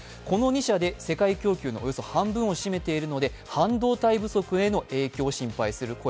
この２社で世界供給のおよそ半分を占めているので半導体不足への影響を心配する